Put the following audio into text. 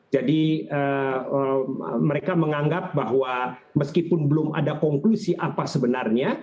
jadi mereka menganggap bahwa meskipun belum ada konklusi apa sebenarnya